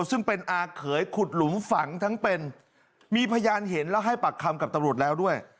ซึ่งเป็นอาเขยขุดหลุมฝังทั้งเป็นมีพยานเห็นแล้วให้ปากคำกับตำรวจแล้วด้วย